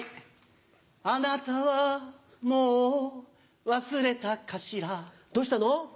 貴方はもう忘れたかしらどうしたの？